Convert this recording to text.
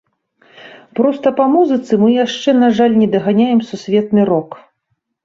Проста па музыцы мы яшчэ, на жаль, не даганяем сусветны рок.